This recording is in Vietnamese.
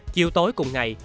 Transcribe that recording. chiều tối cùng ngày